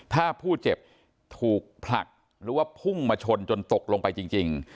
ถ้าผู้เจ็บถูกผลักหรือว่าพุ่งมาชนจนตกลงไปจริง